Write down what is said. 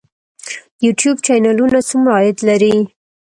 د یوټیوب چینلونه څومره عاید لري؟